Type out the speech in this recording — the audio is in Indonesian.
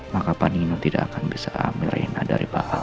maka pak nino tidak akan bisa ambil reina dari pak al